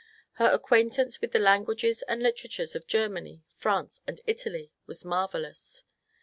Her acquaintance with the languages and literatures of Germany, France, and Italy was marvellous.